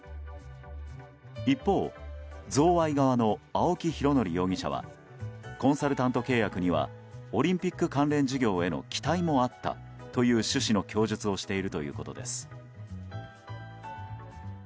一方、贈賄側の青木拡憲容疑者はコンサルタント契約にはオリンピック関連事業への期待もあったという趣旨の供述をしているということです。